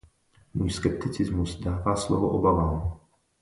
Můj skepticismus dává slovo obavám.